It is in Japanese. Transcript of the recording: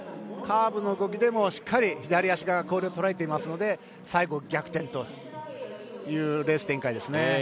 カーブの動きでもしっかり左足が氷を捉えていますので最後、逆転というレース展開ですね。